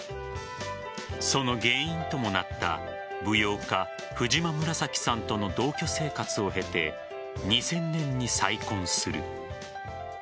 その原因ともなった舞踊家・藤間紫さんとの同居生活を経て２０００年に再婚する。